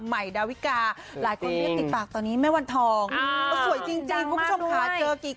ใหม่ดาวิกาหลายคนเรียกติดปากตอนนี้แม่วันทองก็สวยจริงคุณผู้ชมค่ะเจอกี่คน